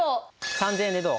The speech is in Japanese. ３，０００円でどう？